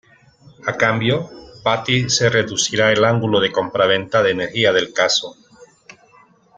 A cambio, Patty se reducirá el ángulo de compraventa de energía del caso.